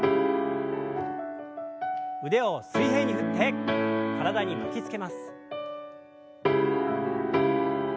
腕を水平に振って体に巻きつけます。